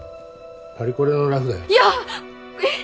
パリコレのラフだよいやえっ